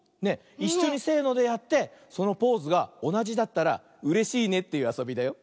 いっしょにせのでやってそのポーズがおなじだったらうれしいねというあそびだよ。